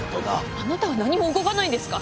あなたは何も動かないんですか？